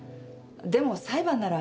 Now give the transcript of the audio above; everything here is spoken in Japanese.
でも裁判なら。